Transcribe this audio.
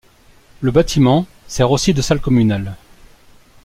Le bâtiment sert aussi de salle communale.